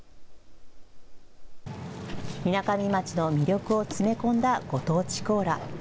みなかみ町の魅力を詰め込んだご当地コーラ。